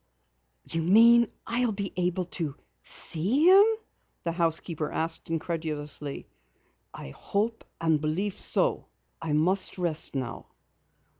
"You mean I'll be able to see him?" the housekeeper asked incredulously. "I hope and believe so. I must rest now.